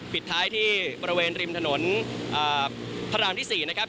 ปิดท้ายที่บริเวณริมถนนพระรามที่๔นะครับ